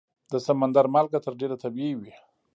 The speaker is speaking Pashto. د سمندر مالګه تر ډېره طبیعي وي.